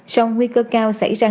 sông nguy cơ cao xảy ra ngay